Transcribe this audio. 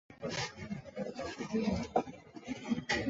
检见川滨车站京叶线的铁路车站。